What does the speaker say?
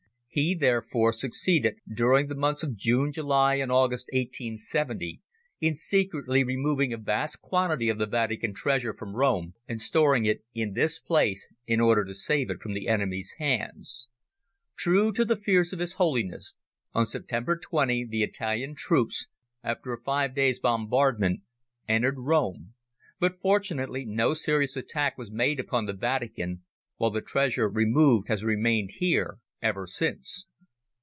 He, therefore, succeeded, during the months of June, July and August 1870, in secretly removing a vast quantity of the Vatican treasure from Rome and storing it in this place in order to save it from the enemy's hands. True to the fears of His Holiness, on September 20 the Italian troops, after a five days' bombardment, entered Rome, but, fortunately, no serious attack was made upon the Vatican, while the treasure removed has remained here ever since.